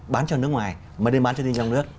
bán cho nước ngoài mà nên bán cho tư nhân trong nước